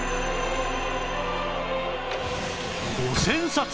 ５０００冊！